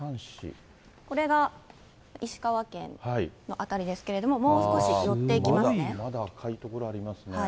これが石川県の辺りですけれども、まだ赤い所ありますね。